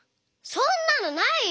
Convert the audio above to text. そんなのないよ！